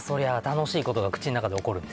楽しいことが口の中で起こるんですよ